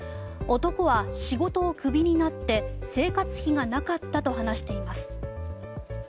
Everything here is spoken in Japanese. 男は仕事をクビになって生活費がなかったと話しています。